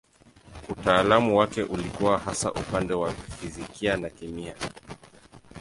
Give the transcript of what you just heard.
Utaalamu wake ulikuwa hasa upande wa fizikia na kemia.